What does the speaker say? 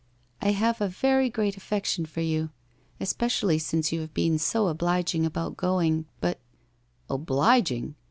' I have a very great affection for you, especially since you have been so obliging about going, but '' Obliging